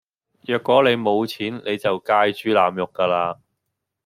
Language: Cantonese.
若果你冇錢你就界豬腩肉架啦